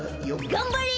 がんばれ！